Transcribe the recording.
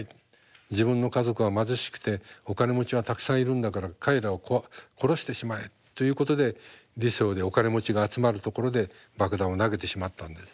自分の家族は貧しくてお金持ちはたくさんいるんだから彼らを殺してしまえ」ということでリセオでお金持ちが集まるところで爆弾を投げてしまったんです。